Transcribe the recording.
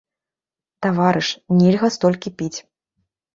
Таварыш, нельга столькі піць.